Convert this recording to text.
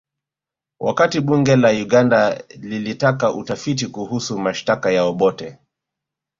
Wakati bunge la Uganda lilitaka utafiti kuhusu mashtaka ya Obote